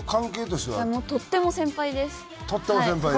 とっても先輩です。